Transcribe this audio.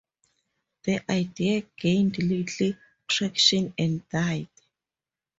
The idea gained little traction and died.